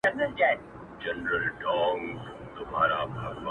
څله مخې ته مې راغلې